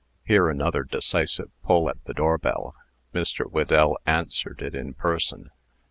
Here another decisive pull at the door bell. Mr. Whedell answered it in person.